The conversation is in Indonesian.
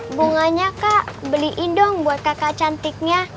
bunganya kak beliin dong buat kakak cantiknya